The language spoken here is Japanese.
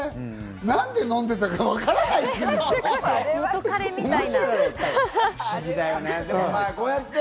何で飲んでたかわからないって。